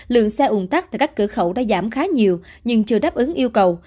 lượng xe ùng tắt tại các cửa khẩu đã giảm khá nhiều nhưng chưa đáp ứng yêu cầu